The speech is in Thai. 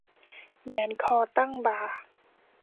แหงนคอตั้งบ่า